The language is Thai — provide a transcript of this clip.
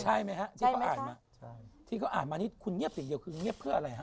ใช่ไหมฮะที่เขาอ่านมาใช่ที่เขาอ่านมานี่คุณเงียบอย่างเดียวคือเงียบเพื่ออะไรฮะ